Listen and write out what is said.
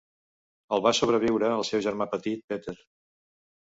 El va sobreviure el seu germà petit Peter.